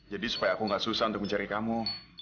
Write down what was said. jadi supaya aku gak susah untuk mencari kamu